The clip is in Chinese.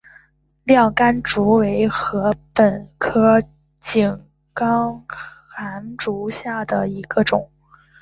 亮竿竹为禾本科井冈寒竹属下的一个种。